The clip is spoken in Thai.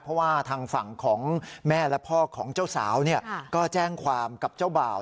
เพราะว่าทางฝั่งของแม่และพ่อของเจ้าสาวก็แจ้งความกับเจ้าบ่าว